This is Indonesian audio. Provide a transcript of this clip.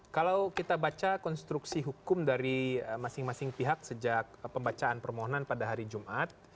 kalau kita baca konstruksi hukum dari masing masing pihak sejak pembacaan permohonan pada hari jumat